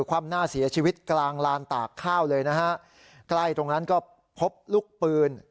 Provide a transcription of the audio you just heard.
ความหน้าเสียชีวิตกลางลานตากข้าวเลยนะฮะใกล้ตรงนั้นก็พบลูกปืน